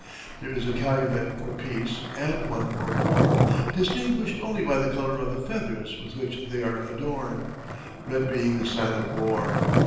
There is a calumet for peace and one for war, distinguished only by the color of the feathers with which they are adorned, red being the sign of war.